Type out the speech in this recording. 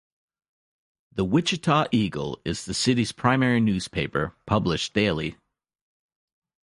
"The Wichita Eagle" is the city's primary newspaper, published daily.